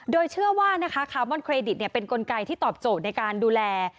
โดยเชื่อว่านะคะคาร์บอนเครดิตเป็นกลไกที่ตอบโจทย์ในการดูแล